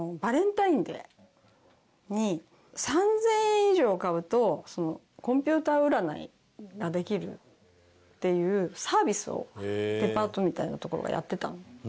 ３０００円以上買うとコンピューター占いができるっていうサービスをデパートみたいなところがやってたの。